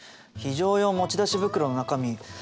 非常用持ち出し袋の中身